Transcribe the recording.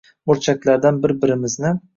Burchaklardan bir-birimizni